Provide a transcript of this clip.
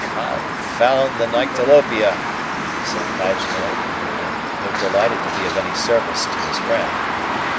"Confound the nyctalopia!" said Paganel, inwardly, though delighted to be of any service to his friend.